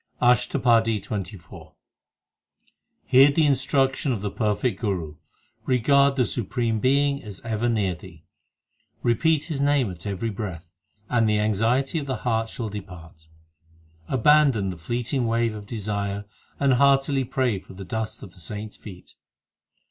1 Guru Nanak is meant. HYMNS OF GURU ARJAN 269 ASHTAPADI XXIV I Hear the instruction of the perfect Guru Regard the Supreme Being as ever near thee ; Repeat His name at every breath, And the anxiety of the heart shall depart. Abandon the fleeting wave of desire, And heartily pray for the dust of the saints feet.